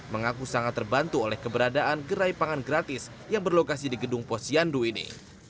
mengaku sangat terbantu oleh keberadaan gerai pangan gratis yang berlokasi di gedung posyandu ini